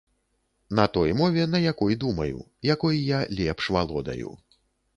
На той мове, на якой думаю, якой я лепш валодаю.